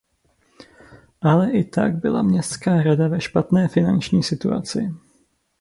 Ale i tak byla Městská rada ve špatné finanční situaci.